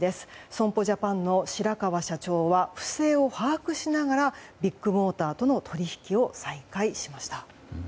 損保ジャパンの白川社長は不正を把握しながらビッグモーターとの取引を再開しました。